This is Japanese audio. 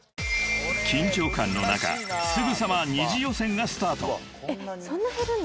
［緊張感の中すぐさま２次予選がスタート］